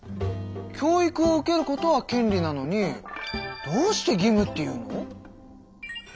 教育を受けることは権利なのにどうして義務っていうの？